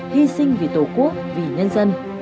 hy sinh vì tổ quốc vì nhân dân